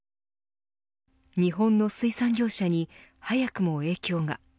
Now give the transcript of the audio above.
日本の水産業者に早くも影響が。